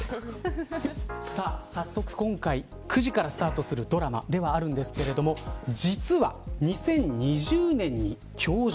早速今回９時からスタートするドラマではあるんですが実は、２０２０年に教場